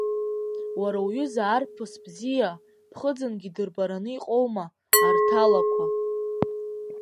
Уара уҩыза арԥыс бзиа, ԥхыӡынгьы дырбараны иҟоума, арҭалақәа!